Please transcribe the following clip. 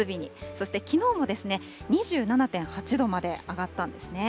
そしてきのうも２７．８度まで上がったんですね。